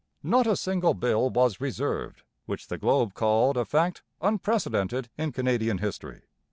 Not a single bill was 'reserved,' which the Globe called a fact 'unprecedented in Canadian history.'